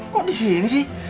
kok di sini sih